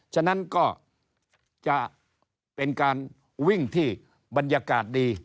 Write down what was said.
ฉะนั้นก็จะเป็นการวิ่งที่บรรยากาศดี